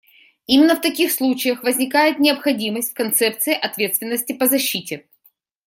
Именно в таких случаях возникает необходимость в концепции ответственности по защите.